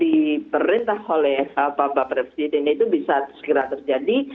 di perintah oleh bapak presiden itu bisa segera terjadi